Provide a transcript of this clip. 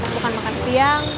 bukan makan siang